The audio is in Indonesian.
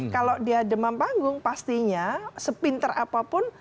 kalau dia demam panggung pastinya sepinter apapun